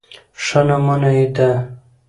ښه نمونه يې د